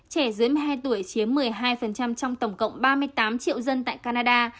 trẻ dưới một mươi hai tuổi chiếm một mươi hai trong tổng cộng ba mươi tám triệu dân tại canada